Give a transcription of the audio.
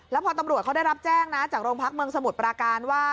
แล้วพอตำรวจเขาได้รับแจ้งนะจากโรงพักเมืองสมุทรปราการว่า